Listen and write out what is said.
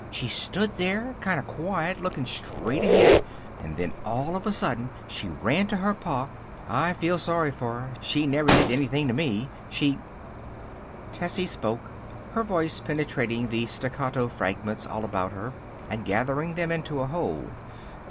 She stood there, kind of quiet, looking straight ahead, and then all of a sudden she ran to her pa " "I feel sorry for her. She never did anything to me. She " Tessie spoke, her voice penetrating the staccato fragments all about her and gathering them into a whole.